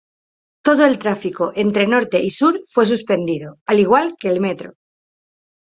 Todo el tráfico entre norte y sur fue suspendido, al igual que el metro.